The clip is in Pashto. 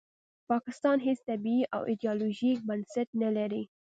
پاکستان هیڅ طبیعي او ایډیالوژیک بنسټ نلري